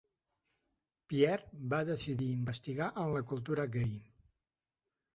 Pierre va decidir investigar en la cultura gai.